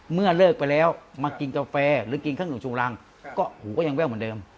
เลิกไปแล้วมากินกาแฟหรือกินข้างหนึ่งชูรังก็หูก็ยังแว่วเหมือนเดิม